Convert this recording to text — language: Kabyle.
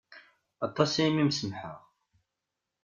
Aṭas-aya mi m-sumḥeɣ.